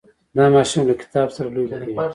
دا ماشوم له کتاب سره لوبې کوي.